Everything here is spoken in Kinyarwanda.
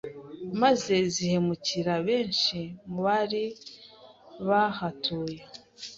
maze zihemukira benshi mubari bahatuye